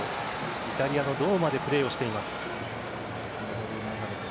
イタリアのローマでプレーをしています。